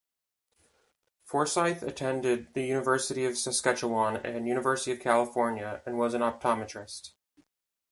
Forsyth attended the University of Saskatchewan and University of California and was an optometrist.